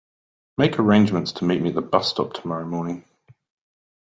Make arrangements to meet me at the bus stop tomorrow morning.